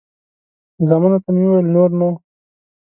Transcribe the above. زامنو ته مې وویل نور نو.